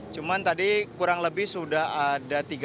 cuman tadi kurang lebih sudah ada tiga